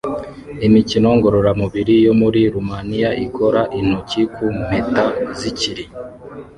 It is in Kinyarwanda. Imikino ngororamubiri yo muri Rumaniya ikora intoki ku mpeta zikiri